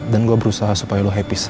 dan gue berusaha supaya lo happy sa